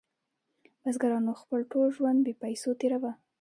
بزګرانو خپل ټول ژوند بې پیسو تیروه.